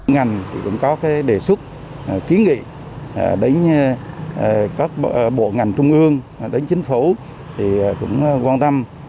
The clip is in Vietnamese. ngành thì cũng có đề xuất kiến nghị đến các bộ ngành trung ương đến chính phủ cũng quan tâm